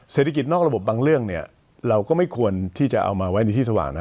เศรษฐกิจนอกระบบบางเรื่องเนี่ยเราก็ไม่ควรที่จะเอามาไว้ในที่สว่างนะ